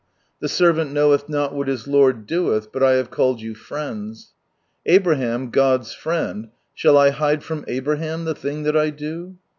" The servant knoweth not what his lord doeth, but I have called yoii frunds" Abraham — God.'?, friend, " shall I hide from Abraham the thing that I do